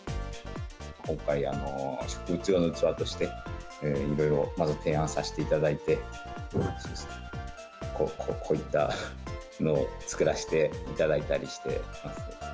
今回、植物用の器として、いろいろまず提案させていただいて、こういったのを作らせていただいたりしています。